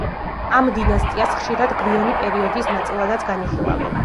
ამ დინასტიას ხშირად გვიანი პერიოდის ნაწილადაც განიხილავენ.